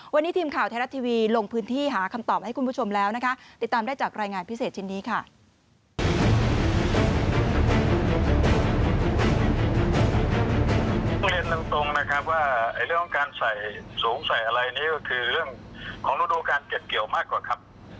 วันนี้ทีมข่าวไทยรัฐทีวีลงพื้นที่หาคำตอบให้คุณผู้ชมแล้วนะคะติดตามได้จากรายงานพิเศษชิ้นนี้ค่ะ